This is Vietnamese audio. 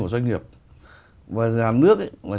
của doanh nghiệp và nhà nước ấy